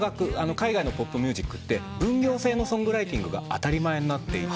海外のポップミュージックって分業制のソングライティングが当たり前になっていて。